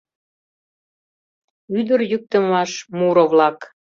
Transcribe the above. Ӱдыр йӱктымаш муро-влак.